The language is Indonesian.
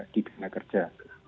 di dunia kerja